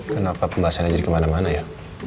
kenapa pembahasannya jadi kemana mana ya